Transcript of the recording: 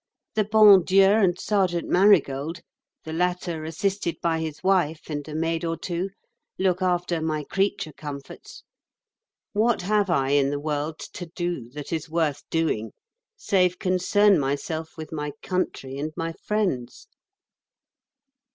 The Bon Dieu and Sergeant Marigold (the latter assisted by his wife and a maid or two) look after my creature comforts. What have I in the world to do that is worth doing save concern myself with my country and my friends?